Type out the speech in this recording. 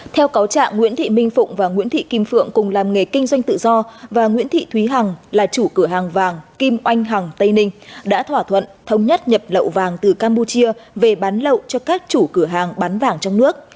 theo cáo trạng nguyễn thị minh phụng và nguyễn thị kim phượng cùng làm nghề kinh doanh tự do và nguyễn thị thúy hằng là chủ cửa hàng vàng kim oanh hằng tây ninh đã thỏa thuận thống nhất nhập lậu vàng từ campuchia về bán lậu cho các chủ cửa hàng bán vàng trong nước